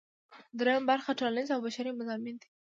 دریمه برخه ټولنیز او بشري مضامین دي.